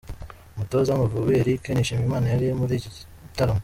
Umutoza w’amavubi Eric Nshimiyimana yari muri iki giatramo.